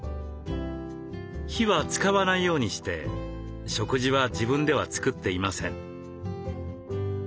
火は使わないようにして食事は自分では作っていません。